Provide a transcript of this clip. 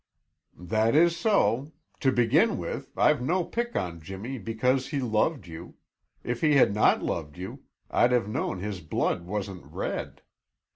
"That is so. To begin with, I've no pick on Jimmy because he loved you; if he had not loved you, I'd have known his blood wasn't red.